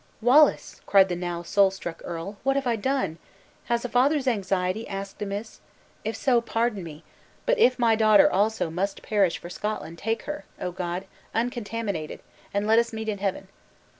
"Wallace," cried the now soul struck earl, "what have I done? Has a father's anxiety asked amiss? If so, pardon me! But if my daughter also must perish for Scotland, take her, O God, uncontaminated, and let us meet in heaven!